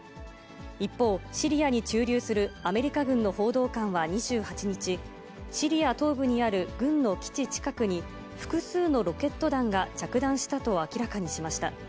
一方、シリアに駐留するアメリカ軍の報道官は２８日、シリア東部にある軍の基地近くに、複数のロケット弾が着弾したと明らかにしました。